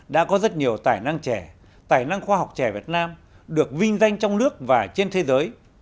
đã có rất nhiều tài năng trẻ tài năng khoa học trẻ việt nam được vinh danh trong nước và trên thế giới